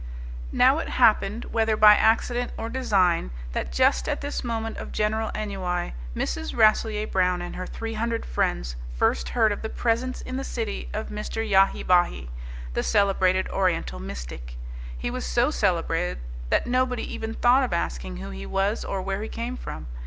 Now it happened, whether by accident or design, that just at this moment of general ennui Mrs. Rasselyer Brown and her three hundred friends first heard of the presence in the city of Mr. Yahi Bahi, the celebrated Oriental mystic. He was so celebrated that nobody even thought of asking who he was or where he came from.